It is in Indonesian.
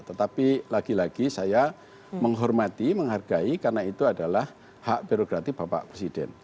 tetapi lagi lagi saya menghormati menghargai karena itu adalah hak birokratif bapak presiden